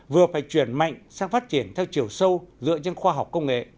vừa phải chuyển mạnh sang phát triển theo chiều sâu dựa trên khoa học công nghệ